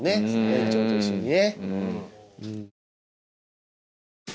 園長と一緒にね。